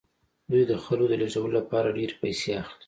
دوی د خلکو د لیږدولو لپاره ډیرې پیسې اخلي